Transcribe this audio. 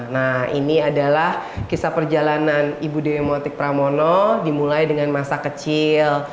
nah ini adalah kisah perjalanan ibu dewi motik pramono dimulai dengan masa kecil